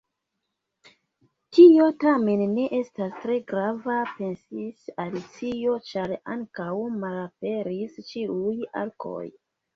"Tio tamen ne estas tre grava," pensis Alicio, "ĉar ankaŭ malaperis ĉiuj arkoj."